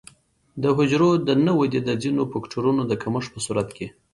د حجرو د نه ودې د ځینو فکټورونو د کمښت په صورت کې.